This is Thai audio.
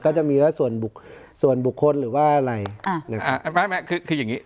ก็จะมีว่าส่วนบุคส่วนบุคคลหรือว่าอะไรอ่าอ่าไม่ไม่คือคืออย่างงี้